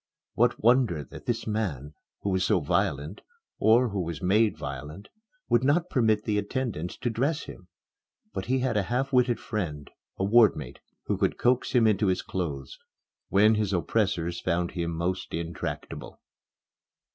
What wonder that this man, who was "violent," or who was made violent, would not permit the attendants to dress him! But he had a half witted friend, a ward mate, who could coax him into his clothes when his oppressors found him most intractable.